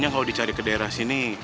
kayanya kalo dicari ke daerah sini